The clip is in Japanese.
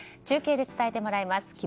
中継で伝えてもらいます。